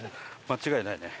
間違いないね。